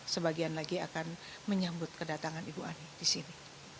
sebagian lagi akan menyambut kedatangan ibu ani di sini